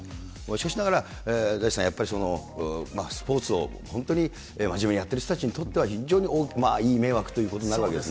しかしながら、大地さん、やっぱりスポーツを本当にまじめにやってる人たちにとっては非常にいい迷惑ということになるわけですね。